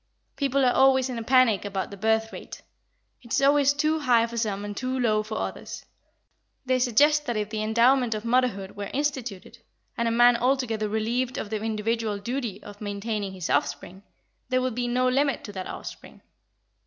People are always in a panic about the birth rate; it is always too high for some and too low for others. They suggest that if the endowment of motherhood were instituted, and a man altogether relieved of the individual duty of maintaining his offspring, there would be no limit to that offspring.